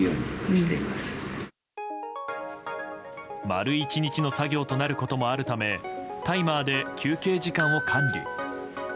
丸１日の作業となることもあるためタイマーで休憩時間を管理。